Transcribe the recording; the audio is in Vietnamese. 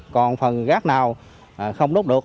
còn phần rác nào không đốt được